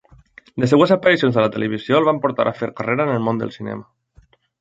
Les seves aparicions a la televisió el van portar a fer carrera en el món del cinema.